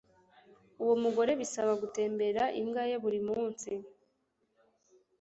Uwo mugore bisaba gutembera imbwa ye buri munsi.